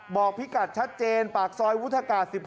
พิกัดชัดเจนปากซอยวุฒากาศ๑๖